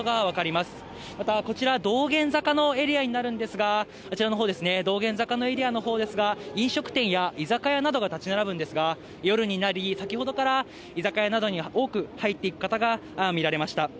またこちら、道玄坂のエリアになるんですが、あちらのほうですね、道玄坂のエリアのほうですが、飲食店や居酒屋などが建ち並ぶんですが、夜になり、先ほどから、居酒屋などに多く入っていく方が見られました。